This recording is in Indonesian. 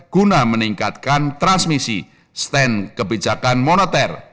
guna meningkatkan transmisi stand kebijakan moneter